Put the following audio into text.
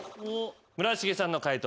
村重さんの解答